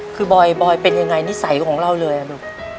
คือบอยเป็นยังไงนิสัยของเราเลยลูก